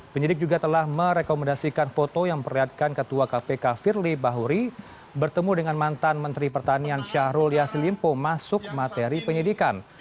penyidik juga telah merekomendasikan foto yang memperlihatkan ketua kpk firly bahuri bertemu dengan mantan menteri pertanian syahrul yassin limpo masuk materi penyidikan